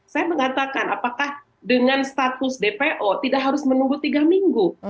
saya mengatakan apakah dengan status dpo tidak harus menunggu tiga minggu